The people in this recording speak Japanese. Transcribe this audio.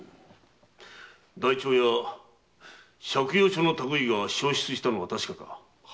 台帳や借用書の類いが消失したのは確かか？